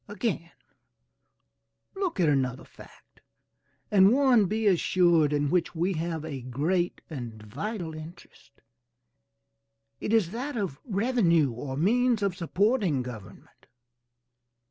Again, look at another fact, and one, be assured, in which we have a great and vital interest; it is that of revenue or means of supporting government.